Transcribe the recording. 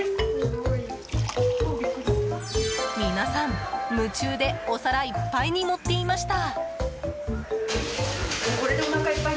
皆さん、夢中でお皿いっぱいに盛っていました。